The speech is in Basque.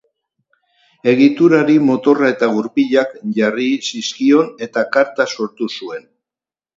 Egiturari motorra eta gurpilak jarri zizkion eta karta sortu zuen.